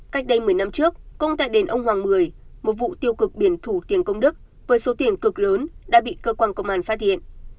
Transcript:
cách đây một mươi năm trước công tại đền ông hoàng mười một vụ tiêu cực biển thủ tiền công đức với số tiền cực lớn đã bị cơ quan công an phát hiện